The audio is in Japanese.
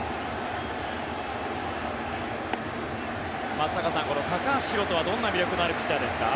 松坂さん、高橋宏斗はどんな魅力のあるピッチャーですか？